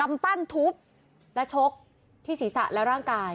ปั้นทุบและชกที่ศีรษะและร่างกาย